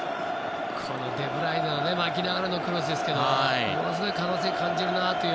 デブライネの巻きながらのクロスですけどものすごい可能性を感じるなと。